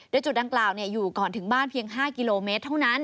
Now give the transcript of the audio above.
โดยจุดดังกล่าวอยู่ก่อนถึงบ้านเพียง๕กิโลเมตรเท่านั้น